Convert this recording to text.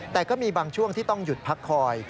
แต่ก็มีบางช่วงที่ต้องหยุดพักคอย